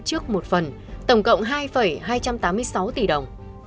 trước một phần tổng cộng hai hai trăm tám mươi sáu tỷ đồng